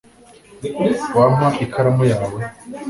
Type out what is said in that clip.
wampa ikaramu yawe